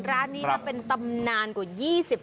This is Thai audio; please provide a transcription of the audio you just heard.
ร้านนี้นะเป็นตำนานกว่า๒๐ปี